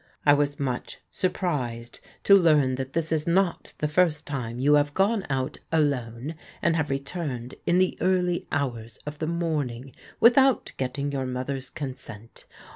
I was much surprised to learn that this is not the first time you have gone out alone, and have returned in the early hours of the morn ing without getting your mother's consent.